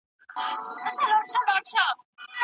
په هغه ورځ به ئې دوی ته وعظ او تعليم ورکاوه.